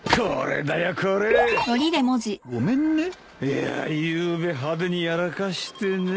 いやゆうべ派手にやらかしてね。